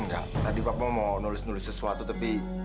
enggak tadi papa mau nulis nulis sesuatu tetapi